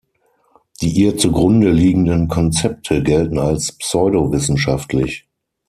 Die ihr zugrunde liegenden Konzepte gelten als pseudowissenschaftlich.